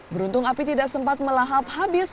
beruntung api tidak sempat melahap habis